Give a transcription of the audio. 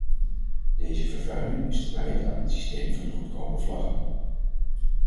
Deze vervuiling is te wijten aan het systeem van de goedkope vlaggen.